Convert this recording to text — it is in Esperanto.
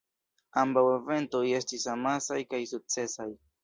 Ambaŭ eventoj estis amasaj kaj sukcesaj.